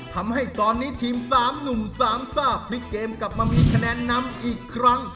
ทำให้ตอนนี้ทีม๓หนุ่มสามซ่าพลิกเกมกลับมามีคะแนนนำอีกครั้ง